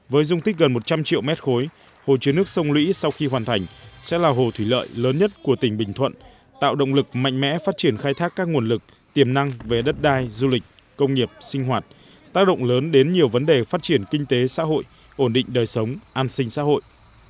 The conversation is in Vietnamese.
với dung tích gần một trăm linh triệu mét khối hồ chứa nước sông lũy sau khi hoàn thành sẽ là hồ thủy lợi lớn nhất của tỉnh bình thuận tạo động lực mạnh mẽ phát triển khai thác các nguồn lực tiềm năng về đất đai du lịch công nghiệp sinh hoạt tác động lớn đến nhiều vấn đề phát triển kinh tế xã hội ổn định đời sống an sinh xã hội